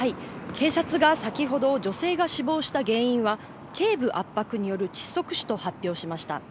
警察が先ほど女性が死亡した原因はけい部圧迫による窒息死と発表しました。